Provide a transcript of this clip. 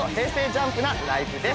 ＪＵＭＰなライブです。